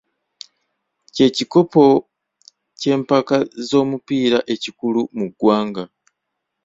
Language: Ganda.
Kye kikopo ky'empaka z'omupiira ekikulu mu ggwanga.